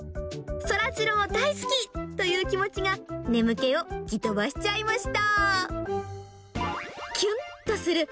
そらジロー、大好き！という気持ちが、眠気を吹き飛ばしちゃいました。